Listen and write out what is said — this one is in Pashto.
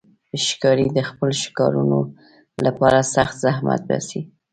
ښکاري د خپلو ښکارونو لپاره سخت زحمت باسي.